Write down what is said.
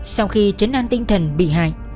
sau khi chấn đoan tinh thần bị hại